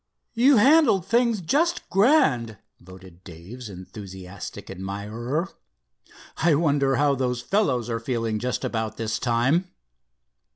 "You handled things just grand," voted Dave's enthusiastic admirer. "I wonder how those fellows are feeling just about this time?"